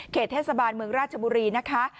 เทศบาลเมืองราชบุรีนะคะ